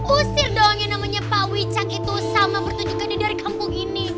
usir dong yang namanya pak wicak itu sama bertujukan dia dari kampung ini